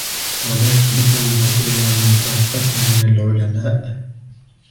وَلَكِنْ اُنْظُرْ إلَى مَنْ فَوْقَك مِنْ الْعُلَمَاءِ